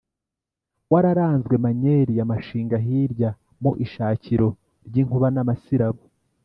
Wararanzwe Manyeli ya Mashinga hirya mu ishakiro ly’inkuba n’ amasirabo,